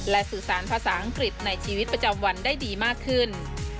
และสื่อสารภาษาอังกฤษในชีวิตประจำวันได้ดีมากขึ้น